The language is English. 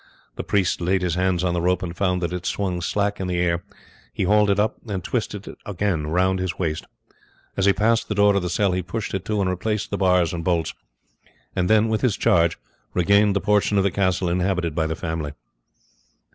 The priest laid his hands on the rope and found that it swung slack in the air; he hauled it up and twisted it again round his waist. As he passed the door of the cell he pushed it to and replaced the bars and bolts, and then with his charge regained the portion of the castle inhabited by the family.